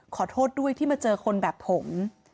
ขอโทษด้วยที่มาเจอคนแบบผม